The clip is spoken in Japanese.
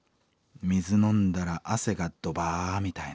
水飲んだら汗がドバーみたいな。